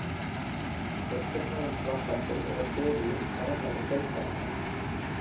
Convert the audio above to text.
செப்டம்பரின் துவக்கத்தில் ஒரு தேதியில் அவர்கள் இசைத்தார்கள்.